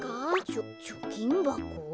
ちょちょきんばこ？